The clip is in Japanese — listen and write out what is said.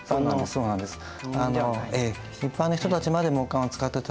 そうなんですね。